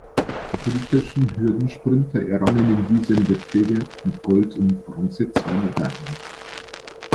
Die britischen Hürdensprinter errangen in diesem Wettbewerb mit Gold und Bronze zwei Medaillen.